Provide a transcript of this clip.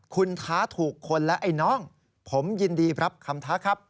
คุณท้าถูกคนและไอ้น้องผมยินดีรับคำท้าครับ